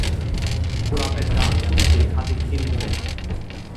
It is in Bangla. গোলাপের ডাল পুঁততে হাতে খিল ধরে!